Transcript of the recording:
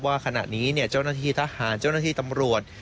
ว่าขณะนี้เจ้าหน้าที่ทหารเจ้าหน้าที่ตำรวจ